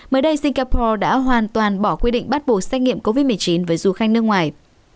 mới đây singapore đã hoàn toàn bỏ quy định bắt buộc xét nghiệm covid một mươi chín với du khách nước ngoài